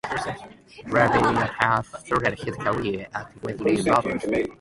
Levi Yates started his career at Gresley Rovers.